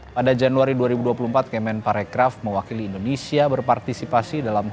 pada januari dua ribu dua puluh empat kemen parekraf mewakili indonesia berpartisipasi dalam